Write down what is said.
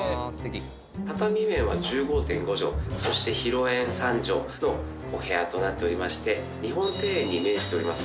畳面は１５．５畳そして広縁３畳のお部屋となっておりまして日本庭園に面しております。